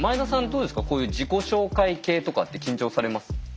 どうですかこういう自己紹介系とかって緊張されます？